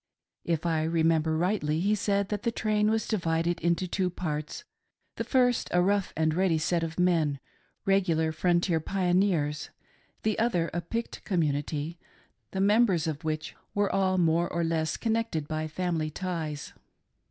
If I remember rightly he said that the train was divided into two parts — the first a rough and ready set of men —regular frontier pioneers ; the other a picked community, the members of which were all more or less connected by family ties.